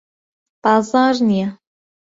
بازاڕ نییە.